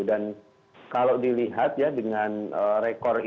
dan kalau dilihat ya dengan rekor ini